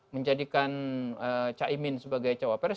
menjadikan caimin sebagai cawapres